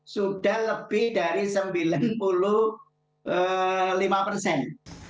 sudah lebih dari sembilan puluh lima persen